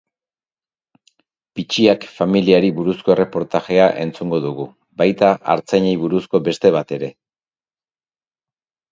Pitxiak familiari buruzko erreportajea entzungo dugu, baita artzainei buruzko beste bat ere.